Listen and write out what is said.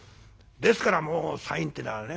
ですからもうサインってのはね